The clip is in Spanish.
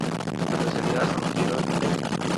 Su especialidad son los tiros de "chilena".